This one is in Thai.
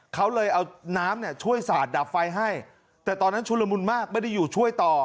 เขาเลยเอาน้ำเนี่ยช่วยสาดดับไฟให้แต่ตอนนั้นชุลมุนมากไม่ได้อยู่ช่วยต่อ